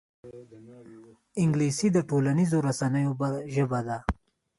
انګلیسي د ټولنیزو رسنیو ژبه ده